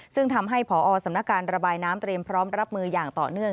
ซึ่งทำให้พอสำนักการระบายน้ำเตรียมพร้อมรับมืออย่างต่อเนื่อง